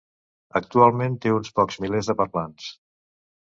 Actualment té uns pocs milers de parlants.